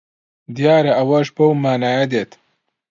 دیارە ئەوەش بەو مانایە دێت